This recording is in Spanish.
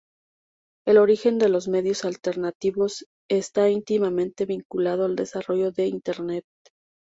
El origen de los medios alternativos está íntimamente vinculado al desarrollo de Internet.